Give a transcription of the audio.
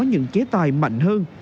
những chế tài mạnh hơn